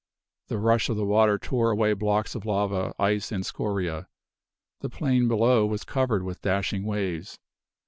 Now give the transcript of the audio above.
The rush of the water tore away blocks of lava, ice and scoria; the plain below was covered with dashing waves.